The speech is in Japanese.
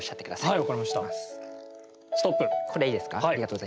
はい。